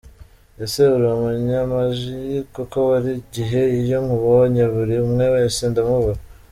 Ese uri umunyamaji ?kuko buri gihe iyo nkubonye ,buri umwe wese ndamubura.